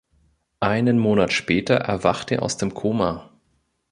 Einen Monat später erwacht er aus dem Koma.